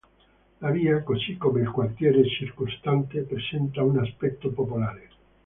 La via, così come il quartiere circostante, presenta un aspetto popolare.